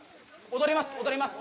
踊ります。